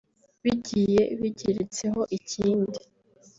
bigiye bigeretseho ikindi